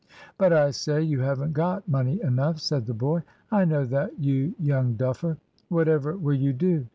"But, I say, you haven't got money enough," said the boy. "I know that, you young duffer." "Whatever will you do?"